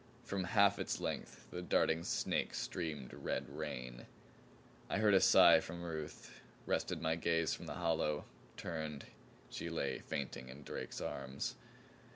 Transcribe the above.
From half its length the darting snake streamed red rain. I heard a sigh from Ruth; wrested my gaze from the hollow; turned. She lay fainting in Drake's arms.